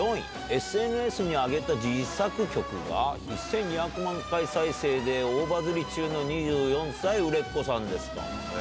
ＳＮＳに上げた自作曲が、１２００万回再生で、大バズり中の２４歳売れっ子さんですと。